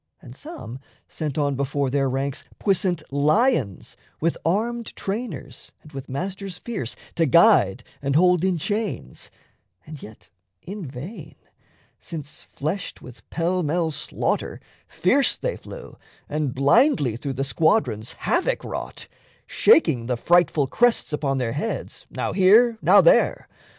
And some Sent on before their ranks puissant lions With armed trainers and with masters fierce To guide and hold in chains and yet in vain, Since fleshed with pell mell slaughter, fierce they flew, And blindly through the squadrons havoc wrought, Shaking the frightful crests upon their heads, Now here, now there.